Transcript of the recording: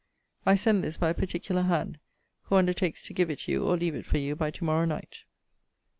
I send this by a particular hand, who undertakes to give it you or leave it for you by to morrow night.